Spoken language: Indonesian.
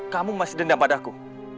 kamu masih dendam pada aku